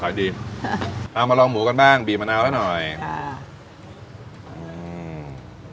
ขายดีเอามาลองหมูกันบ้างบีมะนาวได้หน่อยอ่า